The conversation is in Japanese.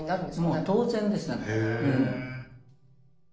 もう当然ですね。